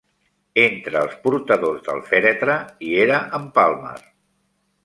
Entre els portadors del fèretre hi era en Palmer.